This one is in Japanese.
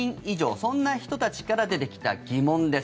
そんな人たちから出てきた疑問です。